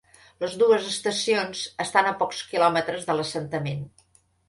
Les dues estacions estan a pocs quilòmetres de l’assentament.